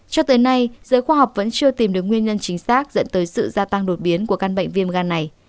cho tới nay giới khoa học vẫn chưa tìm được nguyên nhân chính xác dẫn tới sự gia tăng đột biến của căn bệnh viêm gan này